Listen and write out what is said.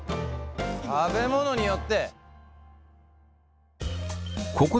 食べ物によって。